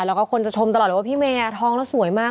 แล้วก็คนจะชมตลอดเลยว่าพี่เมย์ท้องแล้วสวยมาก